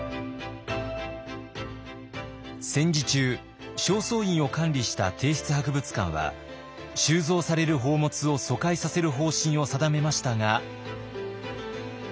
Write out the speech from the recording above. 戦時中正倉院を管理した帝室博物館は収蔵される宝物を疎開させる方針を定めましたが。